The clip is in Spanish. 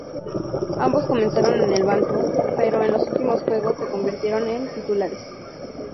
Ambos comenzaron en el banco, pero en los últimos juegos se convirtieron en titulares.